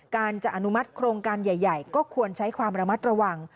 การจะอนุมัติโครงการใหญ่ก็ควรใช้ความระมัดระวัง